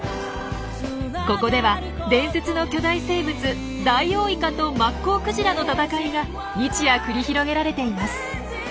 ここでは伝説の巨大生物ダイオウイカとマッコウクジラの闘いが日夜繰り広げられています。